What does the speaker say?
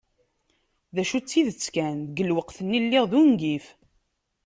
D acu, d tidet kan, deg lweqt-nni lliɣ d ungif.